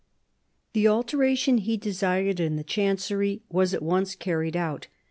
The alteration he desired in the Chancery was at once carried out.